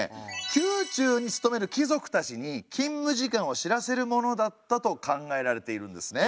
宮中に勤める貴族たちに勤務時間を知らせるものだったと考えられているんですね。